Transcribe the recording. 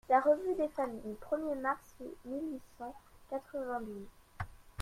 LA REVUE DES FAMILLES, premier mars mille huit cent quatre-vingt-douze.